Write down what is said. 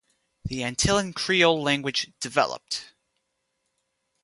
The Antillean Creole language developed.